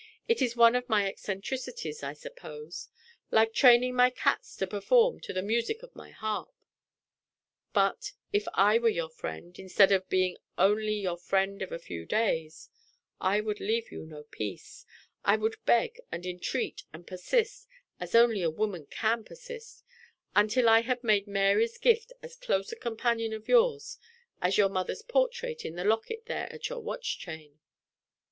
It is one of my eccentricities, I suppose like training my cats to perform to the music of my harp. But, if I were your old friend, instead of being only your friend of a few days, I would leave you no peace I would beg and entreat and persist, as only a woman can persist until I had made Mary's gift as close a companion of yours, as your mother's portrait in the locket there at your watch chain.